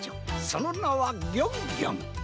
そのなはギョンギョン。